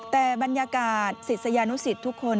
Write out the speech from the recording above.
แต่บรรยากาศศิษยานุสิตทุกคน